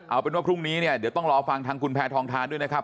เอาเป็นว่าพรุ่งนี้เนี่ยเดี๋ยวต้องรอฟังทางคุณแพทองทานด้วยนะครับ